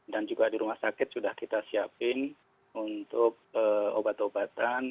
dan juga di rumah sakit sudah kita siapin untuk obat obatan